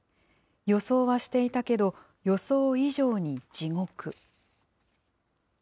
予想はしていたけど、予想以上に地獄。